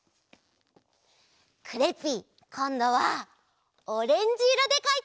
クレッピーこんどはオレンジいろでかいてみる！